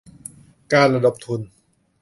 การระดมทุน